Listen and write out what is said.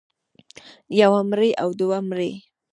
يوه مرۍ او دوه مرۍ